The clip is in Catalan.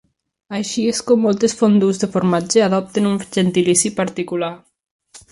Així és com moltes fondues de formatge adopten un gentilici particular.